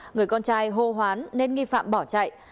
người con trai hô hoán nên nghi phạm bỏ chạy